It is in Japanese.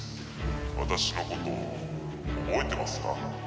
私のこと覚えてますか？